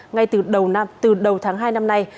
ngay từ đầu tháng hai năm nay